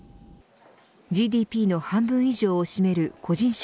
ＧＤＰの半分以上を占める個人